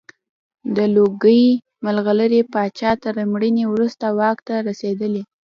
د لوګي مرغلرې پاچا تر مړینې وروسته واک ته رسېدلی.